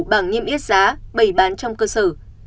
bảng nhiêm biết giá bày bán trong cơ sở